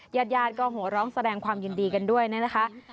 ญาติญาติก็หัวร้องแสดงความยินดีกันด้วยนะคะ